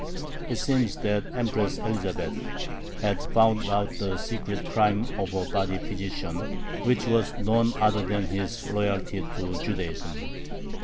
It seems that Empress Elizabeth had found out the secret "crime" of her body physician, which was none other than his loyalty to Judaism.